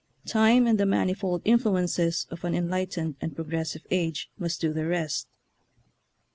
Time and the manifold influences of an enlightened and progressive age must do the rest.